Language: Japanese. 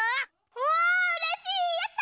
うわうれしいやった！